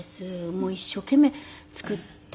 もう一生懸命作ってくれて。